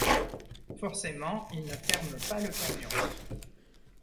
Forcément, il ne ferme pas le camion.